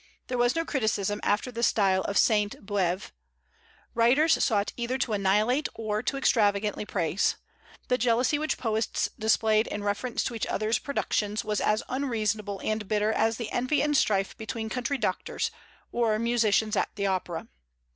There was no criticism after the style of Sainte Beuve. Writers sought either to annihilate or to extravagantly praise. The jealousy which poets displayed in reference to each other's productions was as unreasonable and bitter as the envy and strife between country doctors, or musicians at the opera.